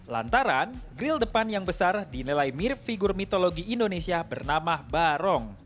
lantaran grill depan yang besar dinilai mirip figur mitologi indonesia bernama barong